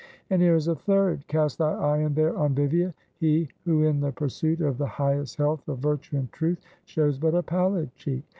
And here is a third. "Cast thy eye in there on Vivia; he, who in the pursuit of the highest health of virtue and truth, shows but a pallid cheek!